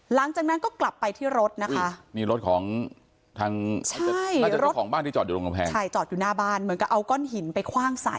หลังจากนั้นก็กลับไปที่รถนะคะนี่รถของทางเจ้าของบ้านที่จอดอยู่ตรงกำแพงใช่จอดอยู่หน้าบ้านเหมือนกับเอาก้อนหินไปคว่างใส่